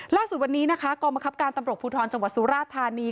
ล่าสุดวันนี้นะคะกองบังคับการตำรวจภูทรจังหวัดสุราธานี